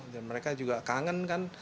mereka juga kangen kan